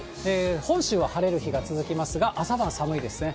本州は晴れる日が続きますが、朝晩寒いですね。